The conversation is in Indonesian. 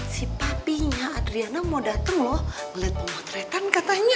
si papinya adriana mau dateng loh ngeliat pemotretan katanya